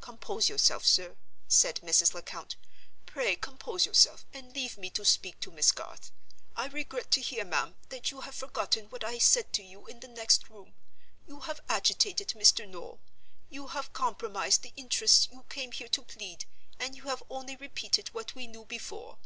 "Compose yourself, sir," said Mrs. Lecount. "Pray compose yourself, and leave me to speak to Miss Garth. I regret to hear, ma'am, that you have forgotten what I said to you in the next room. You have agitated Mr. Noel; you have compromised the interests you came here to plead; and you have only repeated what we knew before.